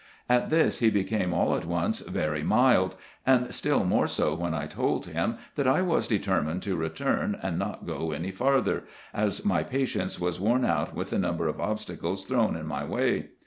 At this he became all at once very mild ; and still more so when I told him, that I was determined to return, and not go any farther, as my patience was worn out with the number of obstacles thrown in my way.